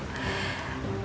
gitu ya sah